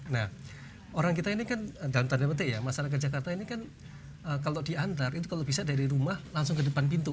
nah orang kita ini kan dalam tanda petik ya masyarakat jakarta ini kan kalau diantar itu kalau bisa dari rumah langsung ke depan pintu